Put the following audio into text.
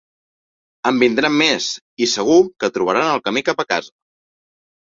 En vindran més, i segur que trobaran el camí cap a casa.